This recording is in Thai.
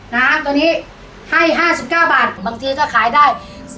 นะตัวนี้ให้๕๙บาทบางทีก็ขายได้